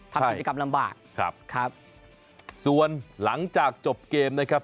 ทำกิจกรรมลำบากครับครับส่วนหลังจากจบเกมนะครับ